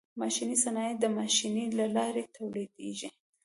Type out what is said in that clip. ماشیني صنایع د ماشین له لارې تولیدیږي.